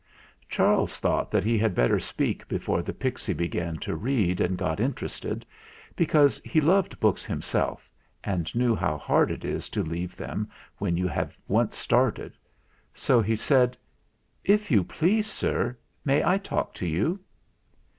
Charles thought that he had better speak be fore the pixy began to read and got interested, because he loved books himself and knew how hard it is to leave them when you have once started. So he said, "If you please, sir, may I talk to you?"